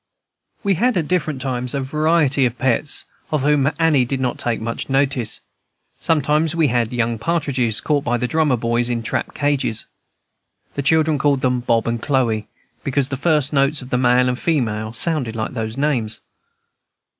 We had, at different times, a variety of pets, of whom Annie did not take much notice. Sometimes we had young partridges, caught by the drummer boys in trap cages. The children called them "Bob and Chloe," because the first notes of the male and female sound like those names.